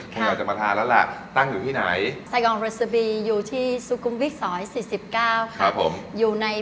ผมอยากจะมาทานั่นล่ะตั้งอยู่ที่ไหน